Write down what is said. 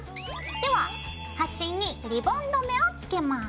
でははしにリボン留めをつけます。